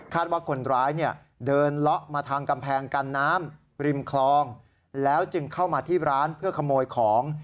ว่าคนร้ายเนี่ยเดินเลาะมาทางกำแพงกันน้ำริมคลองแล้วจึงเข้ามาที่ร้านเพื่อขโมยของ